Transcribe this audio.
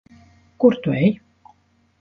Kur tu ej?